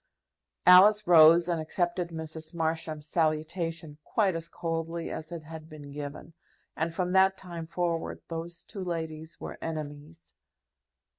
Alice rose and accepted Mrs. Marsham's salutation quite as coldly as it had been given, and from that time forward those two ladies were enemies.